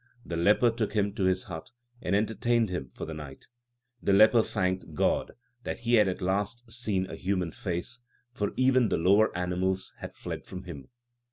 The leper took him to his hut, and entertained him for the night. The leper thanked God that he had at last seen a human face, for even the lower animals had fled from him.